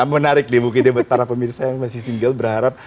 menarik di bukitnya buat para pemirsa yang masih single berharap